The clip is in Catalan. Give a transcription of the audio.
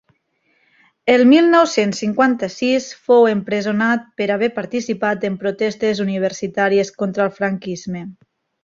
El mil nou-cents cinquanta-sis fou empresonat per haver participat en protestes universitàries contra el franquisme.